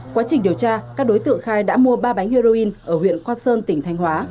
quá trình điều tra các đối tượng khai đã mua ba bánh heroin ở huyện quan sơn tỉnh thanh hóa